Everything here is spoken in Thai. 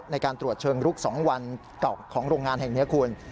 ในการตรวจเชิงลุก๒วันเก่าของโรงงานแห่งนี้คุณ